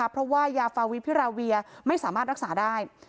เพราะว่ายาฟาวิพิราเวียไม่สามารถรักษาได้